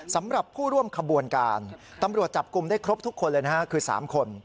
สำหรับผู้ร่วมขบวนการตำรวจจับกลุ่มได้ครบทุกคนเลยนะฮะคือ๓คน